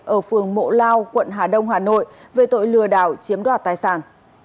ở phường mộ lao quận hà đông hà nội về tội lừa đảo chiếm đoạt tài sản